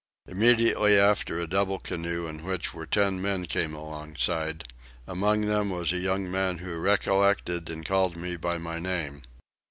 Immediately after a double canoe in which were ten men came alongside; among them was a young man who recollected and called me by my name.